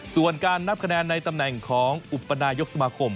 ส่วนการนับคะแนนในตำแหน่งของอุปนายกสมาคม